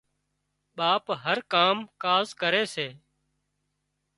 ٻاپ هر ڪام ڪاز ڪري سي